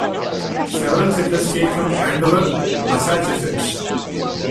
Several settlers came from Andover, Massachusetts.